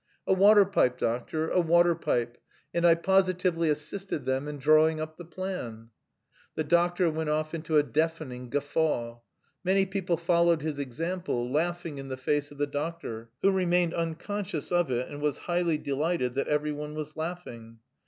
"A water pipe, doctor, a water pipe, and I positively assisted them in drawing up the plan." The doctor went off into a deafening guffaw. Many people followed his example, laughing in the face of the doctor, who remained unconscious of it and was highly delighted that every one was laughing.